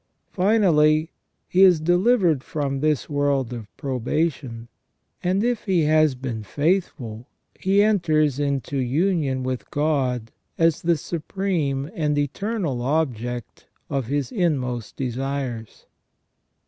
Finally, he is delivered from this world of probation, and if he has been faithful, he enters into union with God as the Supreme and Eternal Object of his inmost desires.